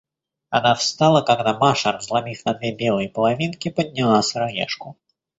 Она встала, когда Маша, разломив на две белые половинки, подняла сыроежку.